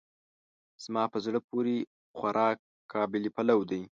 زما په زړه پورې خوراک قابلي پلو دی.